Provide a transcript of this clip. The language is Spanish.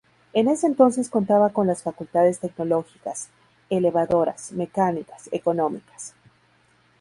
En ese entonces contaba con las facultades tecnológicas, elevadoras, mecánicas, económicas.